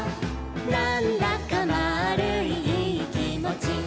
「なんだかまぁるいいいきもち」